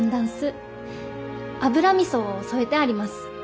油みそを添えてあります。